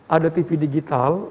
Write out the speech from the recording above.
ada tv digital